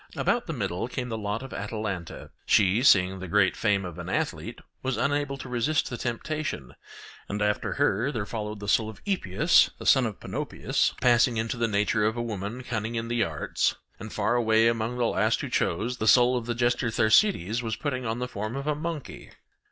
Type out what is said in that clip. About the middle came the lot of Atalanta; she, seeing the great fame of an athlete, was unable to resist the temptation: and after her there followed the soul of Epeus the son of Panopeus passing into the nature of a woman cunning in the arts; and far away among the last who chose, the soul of the jester Thersites was putting on the form of a monkey.